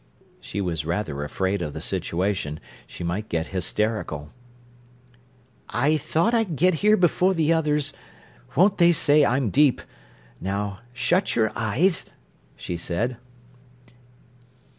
She was rather afraid of the situation. She might get hysterical. "I thought I'd get here before the others—won't they say I'm deep! Now shut your eyes—" she said.